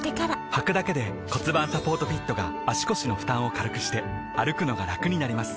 はくだけで骨盤サポートフィットが腰の負担を軽くして歩くのがラクになります